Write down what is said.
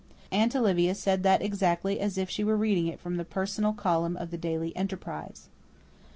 Aunt Olivia said that exactly as if she were reading it from the personal column of the Daily Enterprise.